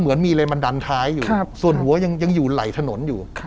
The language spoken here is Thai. เมอร์รถทัวร์